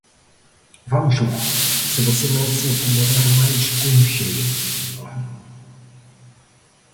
Vamos lá, se você não se incomodar mais com o cheiro, é claro.